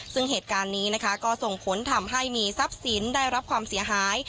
ซึ่งเหตุการณ์นี้นะคะก็ส่งผลทำให้มีทรัพย์สินได้รับความเสียหาย